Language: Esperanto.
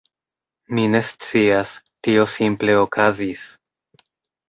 Mi ne scias, tio simple okazis.